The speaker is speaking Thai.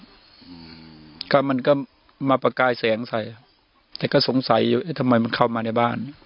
อืมก็มันก็มาประกายแสงใส่แต่ก็สงสัยอยู่เอ๊ะทำไมมันเข้ามาในบ้าน